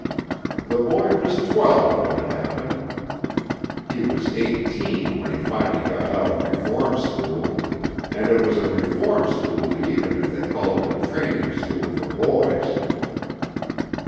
The boy was twelve when it happened. He was eighteen when he finally got out of reform school, and it was a reform school even if they called it a training school for boys."